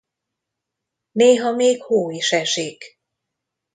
Néha még hó is esik.